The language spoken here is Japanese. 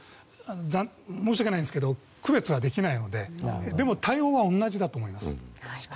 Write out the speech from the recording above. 申し訳ないですけど区別はできないのででも対応は同じだと思います。